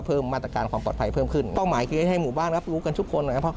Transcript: ผมว่าเป็นคนปกติตั้งใจ